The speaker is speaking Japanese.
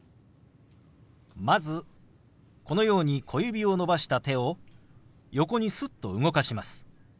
まずこのように小指を伸ばした手を横にすっと動かします。